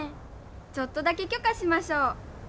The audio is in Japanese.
ちょっとだけ許可しましょう。